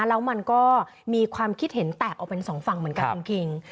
แล้วมันก็มีความคิดเห็นแตกออกเป็นสองฝั่งเหมือนกันคุณคิง